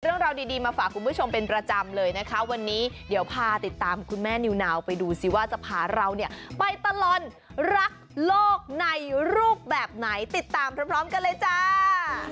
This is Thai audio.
เรื่องราวดีมาฝากคุณผู้ชมเป็นประจำเลยนะคะวันนี้เดี๋ยวพาติดตามคุณแม่นิวนาวไปดูสิว่าจะพาเราเนี่ยไปตลอดรักโลกในรูปแบบไหนติดตามพร้อมกันเลยจ้า